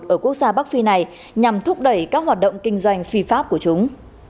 ở quốc gia bắc phi này nhằm thúc đẩy các hoạt động kinh doanh phi pháp của chúng